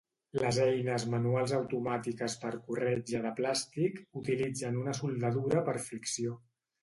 Les eines manuals automàtiques per corretja de plàstic utilitzen una soldadura per fricció.